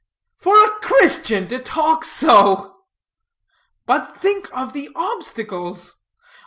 "For a Christian to talk so!" "But think of the obstacles!"